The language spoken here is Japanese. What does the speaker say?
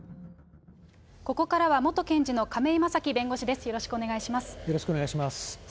ここからは元検事の亀井正貴弁護士です。